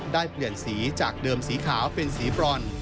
ได้เปลี่ยนสีจากเดิมสีขาวเป็นสีบรอน